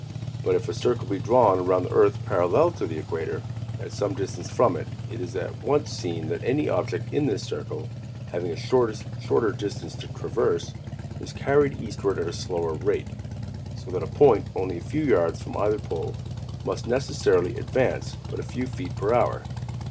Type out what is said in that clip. But if a circle be drawn around the earth parallel to the equator, at some distance from it, it is at once seen that any object in this circle, having a shorter distance to traverse, is carried eastward at a slower rate; so that a point only a few yards from either pole must necessarily advance but a few feet per hour.